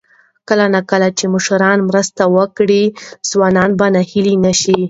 کله نا کله چې مشران مرسته وکړي، ځوانان به ناهیلي نه شي.